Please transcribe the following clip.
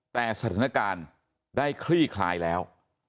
แต่สถานการณ์ได้คลี่คลายแล้ว